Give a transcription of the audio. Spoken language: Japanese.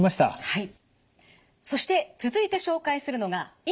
はい。